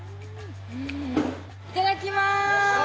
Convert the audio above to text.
いただきます。